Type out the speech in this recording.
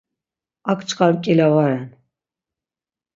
Ak çkar nǩila va ren.